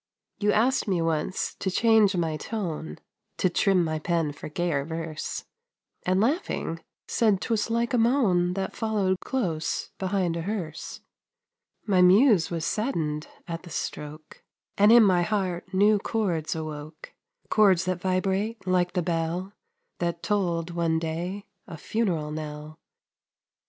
You asked me once to change my tone, "To trim my pen for gayer verse," And, laughing, said 'twas like a moan That followed close behind a hearse. My muse was saddened at the stroke, And in my heart new chords awoke, Chords that vibrate like the bell That tolled one day a funeral knell.